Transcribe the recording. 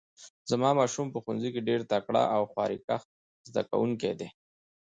زما ماشوم په ښوونځي کې ډیر تکړه او خواریکښ زده کوونکی ده